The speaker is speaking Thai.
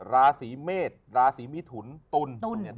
ลาสีเมศลาสีมิถุนตุ่น